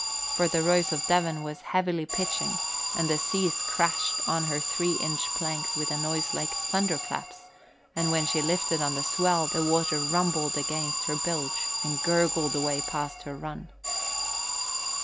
For the Rose of Devon was heavily pitching and the seas crashed on her three inch planks with a noise like thunderclaps; and when she lifted on the swell, the water rumbled against her bilge and gurgled away past her run.